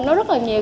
nó rất là nhiều